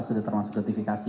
itu sudah termasuk notifikasi